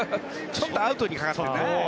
ちょっとアウトにかかってるんだね。